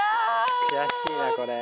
悔しいなこれ。